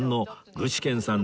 具志堅さん